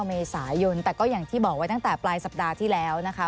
เมษายนแต่ก็อย่างที่บอกไว้ตั้งแต่ปลายสัปดาห์ที่แล้วนะคะ